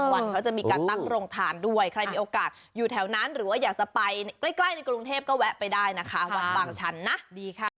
วันเขาจะมีการตั้งโรงทานด้วยใครมีโอกาสอยู่แถวนั้นหรือว่าอยากจะไปใกล้ในกรุงเทพก็แวะไปได้นะคะวัดบางชันนะดีค่ะ